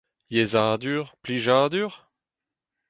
Yezhadur, plijadur ?